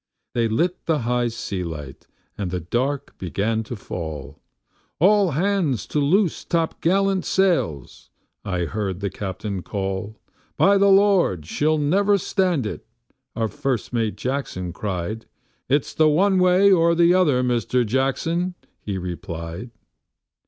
They lit the high sea light, and the dark began to fall. "All hands to loose topgallant sails," I heard the captain call. "By the Lord, she'll never stand it," our first mate Jackson, cried. ..."It's the one way or the other, Mr. Jackson," he replied.